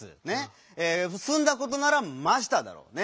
すんだことなら「ました」だろ。ね。